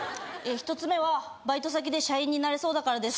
１つ目はバイト先で社員になれそうだからです